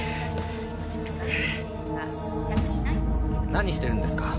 何してるんですか？